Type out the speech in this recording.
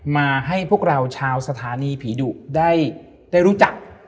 มาให้พวกเราชาวสถานีผีดุได้รู้จัก